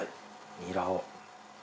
ニラを。